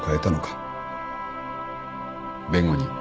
弁護人。